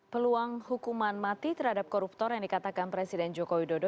peluang hukuman mati terhadap koruptor yang dikatakan presiden joko widodo